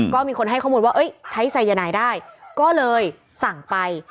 ก็มีคนให้ข้อมูลว่าใช้สายนายได้ก็เลยสั่งไป